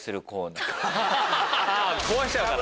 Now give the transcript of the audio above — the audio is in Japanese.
壊しちゃうから！